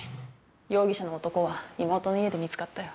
容疑者の男は妹の家で見つかったよ。